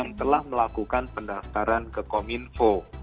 setelah melakukan pendaftaran ke kominfo